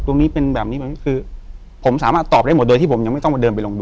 ตรงนี้เป็นแบบนี้ไหมคือผมสามารถตอบได้หมดโดยที่ผมยังไม่ต้องมาเดินไปลงดู